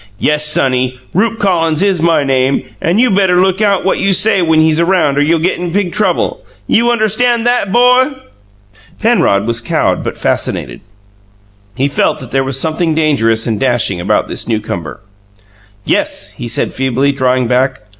"Yes, sonny, Rupe Collins is my name, and you better look out what you say when he's around or you'll get in big trouble! YOU UNDERSTAND THAT, 'BO?" Penrod was cowed but fascinated: he felt that there was something dangerous and dashing about this newcomer. "Yes," he said, feebly, drawing back.